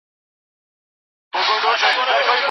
دا وطن به همېشه اخته په ویر وي